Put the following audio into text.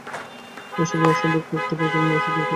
এসব মা সম্পর্কে একটা পরিকল্পনা নেওয়ার সুযোগ থাকে।